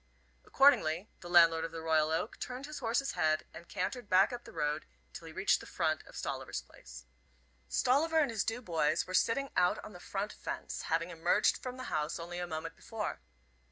Accordingly the landlord of the Royal Oak turned his horse's head and cantered back up the road till he reached the front of Stolliver's place. Stolliver and his two boys were sitting out on the front fence, having emerged from the house only a moment before.